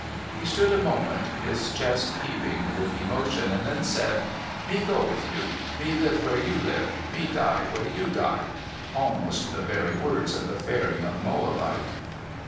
He stood a moment, his chest heaving with emotion, and then said: "Me go with you, me live where you live, me die where you die," al most the very words of the fair young Moabite.